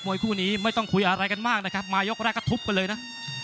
คู่นี้ไม่ต้องคุยอะไรกันมากนะครับมายกแรกก็ทุบกันเลยนะ